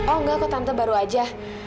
oh nggak kak tante baru aja